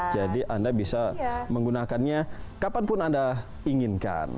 jadi anda bisa menggunakannya kapanpun anda inginkan